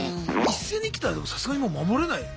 一斉に来たらでもさすがにもう守れないっすよね。